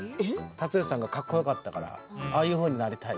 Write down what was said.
辰吉さんがかっこよかったからああいうふうになりたい。